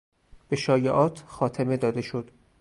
به شایعات خاتمه داده شد.